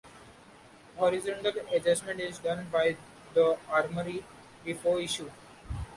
Horizontal adjustment is done by the armory before issue.